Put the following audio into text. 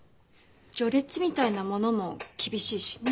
序列みたいなものも厳しいしね。